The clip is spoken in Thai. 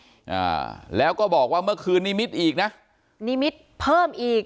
อ่าแล้วก็บอกว่าเมื่อคืนนิมิตอีกนะนิมิตรเพิ่มอีก